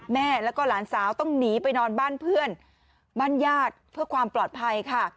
แม่แล้วก็หลานสาวต้องหนีไปนอนบ้านเพื่อนบ้านญาติเพื่อความปลอดภัยค่ะ